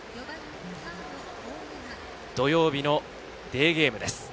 土曜日のデーゲームです。